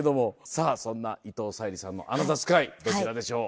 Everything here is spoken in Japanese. さぁそんな伊藤沙莉さんのアナザースカイどちらでしょう。